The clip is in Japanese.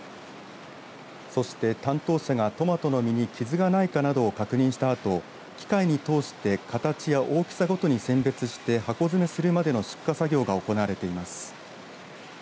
そして、担当者がトマトの実に傷がないかなどを確認したあと機械に通して形や大きさごとに選別して箱詰めするまでの出荷作業が行われています。